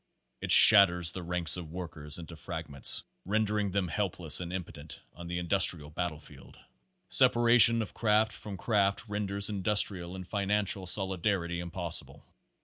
It shatters the ranks of the workers into fragments, rendering them helpless and impotent on the industrial battlefield. Separation of craft from craft renders industrial and financial solidarity impossible.